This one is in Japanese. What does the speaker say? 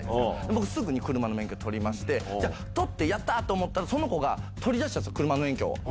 僕、すぐ車の免許取りまして、じゃあ、取ってやったーと思ったらその子が取り出したんですよ、車の免許を。